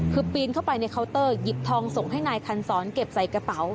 คือปีนเข้าไปในเคาน์เตอร์หยิบทองส่งให้นายคันศรเก็บใส่กระเป๋า